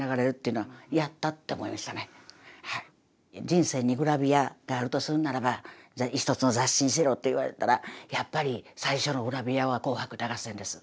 人生にグラビアがあるとするならば一つの雑誌にしろって言われたらやっぱり最初のグラビアは「紅白歌合戦」です